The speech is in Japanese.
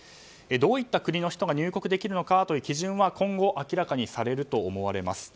どういった国の人が入国できるのかという基準は今後、明らかにされると思われます。